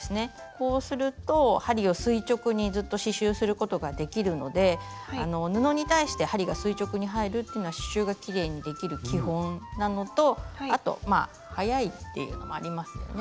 こうすると針を垂直にずっと刺しゅうすることができるので布に対して針が垂直に入るっていうのは刺しゅうがきれいにできる基本なのとあと早いっていうのもありますよね。